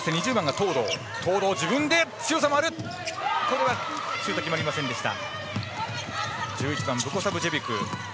東藤のシュートは決まりませんでした。